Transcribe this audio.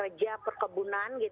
ataupun mengundurkan diri